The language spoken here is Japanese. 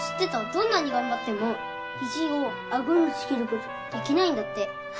どんなに頑張っても肘を顎につけることできないんだって。